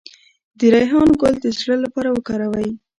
د ریحان ګل د زړه لپاره وکاروئ